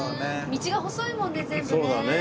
道が細いもんね全部ね。